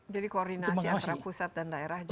jadi koordinasi antara pusat dan daerah juga